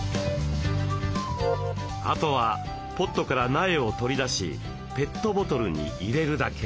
あとはポットから苗を取り出しペットボトルに入れるだけ。